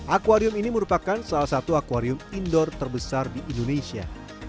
akwarium ini merupakan salah satu akwarium indoor terbesar di indonesia